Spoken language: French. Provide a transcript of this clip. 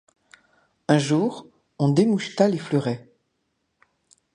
Un jour on démoucheta les fleurets.